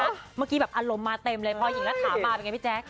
เมื่อกี้แบบอารมณ์มาเต็มเลยพอหญิงรัฐามาเป็นไงพี่แจ๊ค